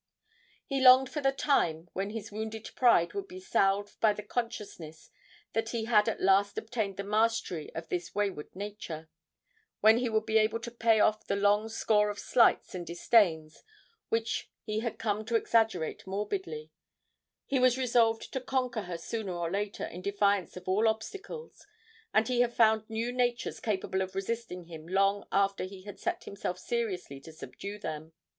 He longed for the time when his wounded pride would be salved by the consciousness that he had at last obtained the mastery of this wayward nature, when he would be able to pay off the long score of slights and disdains which he had come to exaggerate morbidly; he was resolved to conquer her sooner or later in defiance of all obstacles, and he had found few natures capable of resisting him long after he had set himself seriously to subdue them.